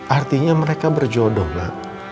artinya mereka berjodoh la